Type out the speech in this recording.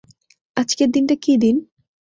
আজকের দিনটা কি দিন?